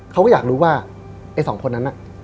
เขาก็อยากรู้ว่าไอ้สองคนนั้นน่ะ